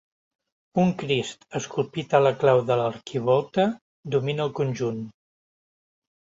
Un Crist esculpit a la clau de l'arquivolta domina el conjunt.